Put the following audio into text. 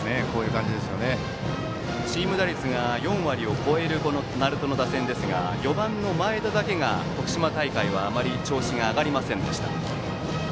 チーム打率が４割を超える鳴門の打線ですが４番の前田だけが徳島大会はあまり調子が上がりませんでした。